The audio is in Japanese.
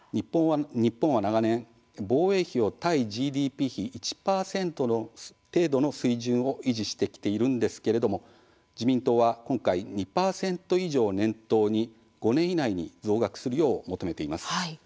日本は長年、防衛費を対ＧＤＰ比１％程度の水準を維持してきているんですけれども自民党は今回、２％以上を念頭に５年以内に増額するよう求めています。